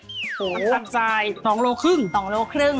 น้ำมะขามใส่๒๕โลก